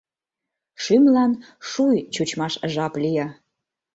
Шӱмлан шуй чучмаш жап лие.